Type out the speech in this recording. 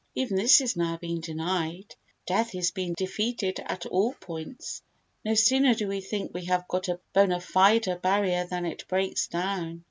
Even this is now being denied. Death is being defeated at all points. No sooner do we think we have got a bona fide barrier than it breaks down.